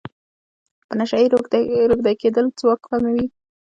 په نشه روږدی کیدل ځواک کموي.